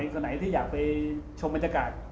สมัยไหนที่อยากไปชมบรรยากาศ